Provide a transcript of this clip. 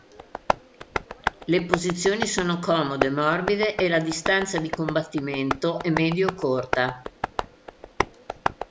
Le posizioni sono comode, morbide e la distanza di combattimento è medio-corta.